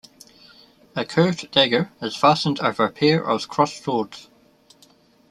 A curved dagger is fastened over a pair of crossed swords.